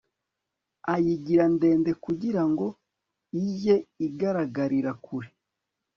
ayigira ndende kugira ngo ijye igaragarira kure